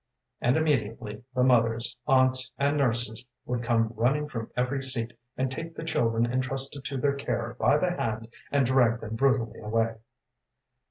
And immediately the mothers, aunts and nurses would come running from every seat and take the children entrusted to their care by the hand and drag them brutally away.